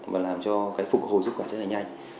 mà làm cho cái phục hồi sức khỏe rất là nhanh